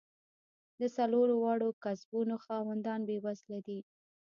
د څلور واړو کسبونو خاوندان بېوزله دي.